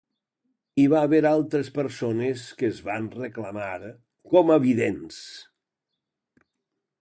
Hi va haver altres persones que es van reclamar com a vidents.